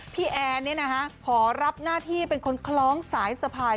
พี่แอนนี่นะฮะขอรับหน้าที่เป็นคนคล้องสายสะพาย